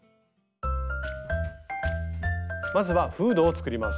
まずはフードを作ります。